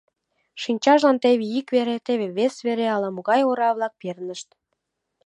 Шинчажлан теве ик вере, теве вес вере ала-могай ора-влак пернышт.